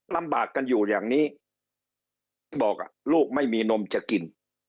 ลำบากกันอยู่อย่างนี้บอกลูกไม่มีนมจะกิน